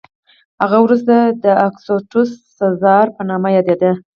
هغه وروسته د اګوستوس سزار په نامه یادېده